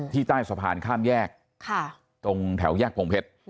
ใต้สะพานข้ามแยกตรงแถวแยกพงเพชร